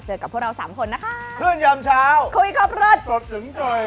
เจอกับพวกเราสามคนนะคะเพื่อนยามเช้าคุยกับรถตอบถึงจ่อย